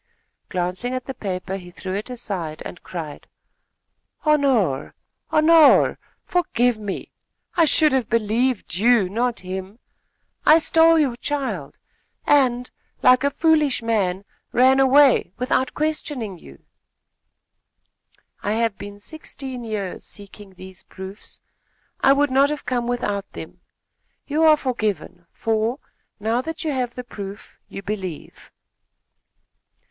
Glancing at the paper, he threw it aside and cried: "Honore! Honore! Forgive me! I should have believed you, not him. I stole your child and, like a foolish man, ran away, without questioning you." "I have been sixteen years seeking these proofs. I would not have come without them. You are forgiven, for, now that you have the proof, you believe."